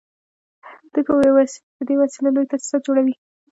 دوی په دې وسیله لوی تاسیسات جوړوي